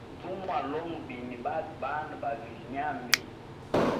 Tumwalonga bini batwe bandu bavilye nyambi.